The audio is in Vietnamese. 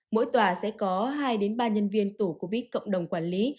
mỗi tòa sẽ có hai ba nhân viên tổ covid cộng đồng quản lý